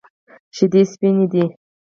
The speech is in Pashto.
شیدې سپینې دي.